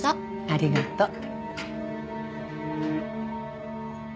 ありがとう。